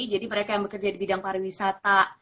jadi mereka yang bekerja di bidang pariwisata